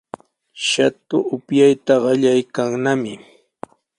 Shatu upyayta qallaykannami.